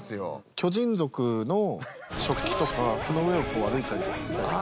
巨人族の食器とかその上をこう歩いたりとかしたい。